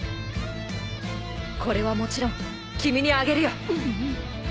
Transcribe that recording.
これはもちろん君にあげるよ。